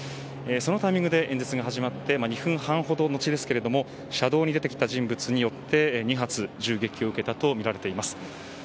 そのタイミングで演説が始まって２分半ほどのち車道に出てきた人物によって２発銃撃を受けたとみられます。